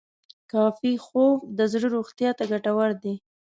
کافي خوب د زړه روغتیا ته ګټور دی.